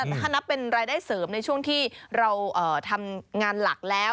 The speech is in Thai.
ถ้านับเป็นรายได้เสริมในช่วงที่เราทำงานหลักแล้ว